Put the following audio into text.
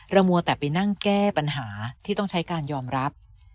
มัวแต่ไปนั่งแก้ปัญหาที่ต้องใช้การยอมรับ